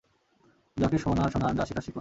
যাকে শোনার শোনান, যা শিখার শিখুন।